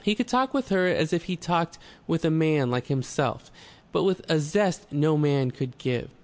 He could talk with her as if he talked with a man like himself but with a zest no man could give him.